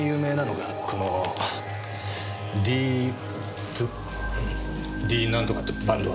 このディープディー何とかってバンドは。